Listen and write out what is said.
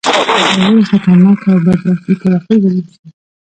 پر یوې خطرناکې او بدبختې طبقې بدل شي.